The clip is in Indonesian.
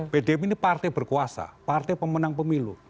pdip ini partai berkuasa partai pemenang pemilu